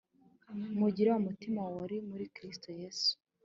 Mugire wa mutima wari muri Kristo Yesu